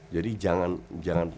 jadi jangan jangan